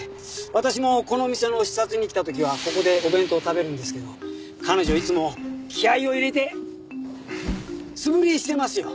私もこの店の視察に来た時はここでお弁当を食べるんですけど彼女いつも気合を入れて素振りしてますよ。